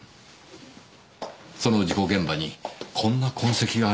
その事故現場にこんな痕跡がありましてね。